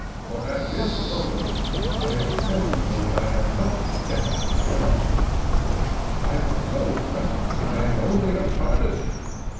For at this moment I am sensible that I have not the temper of a philosopher; like the vulgar, I am only a partisan.